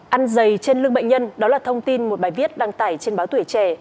ăn dày trên lưng bệnh nhân đó là thông tin một bài viết đăng tải trên báo tuổi trẻ